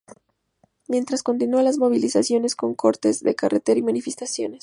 Mientras, continúan las movilizaciones, con cortes de carretera y manifestaciones.